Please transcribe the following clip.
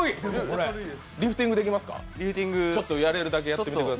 リフティングできますか？